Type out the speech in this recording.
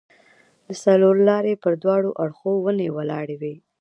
د څلورلارې پر دواړو اړخو ونې ولاړې وې.